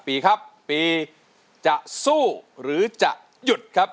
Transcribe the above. ปีครับปีจะสู้หรือจะหยุดครับ